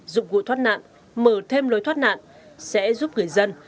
dụng cụ thoát nạn mở thêm lối thoát nạn sẽ giúp người dân